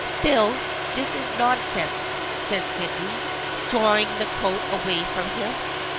" Phil, this is nonsense," said Sydney, drawing the coat away from him.